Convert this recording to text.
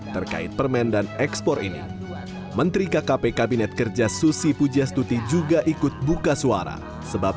terkait permen dan ekspor ini menteri kkp kabinet kerja susi pujastuti juga ikut buka suara sebab